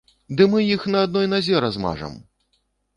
Ды мы іх на адной назе размажам!